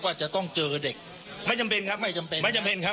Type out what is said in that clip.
ว่าจะต้องเจอเด็กไม่จำเป็นครับไม่จำเป็นไม่จำเป็นครับ